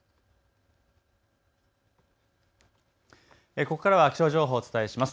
ここからは気象情報をお伝えします。